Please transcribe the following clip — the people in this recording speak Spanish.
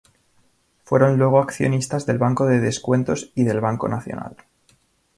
Fueron luego accionistas del Banco de Descuentos y del Banco Nacional.